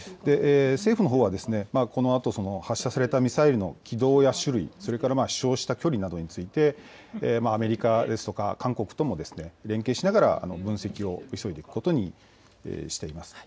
政府のほうはこのあと発射されたミサイルの軌道や種類、飛しょうした距離などについてアメリカや韓国とも連携しながら分析を急いでいくことにしています。